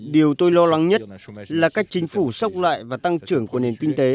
điều tôi lo lắng nhất là cách chính phủ sốc lại và tăng trưởng của nền kinh tế